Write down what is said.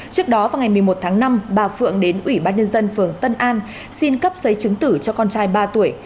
trước đó vào ngày một mươi một tháng năm bà phượng đến ủy ban nhân dân phường tân an xin cấp giấy chứng tử cho con trai ba tuổi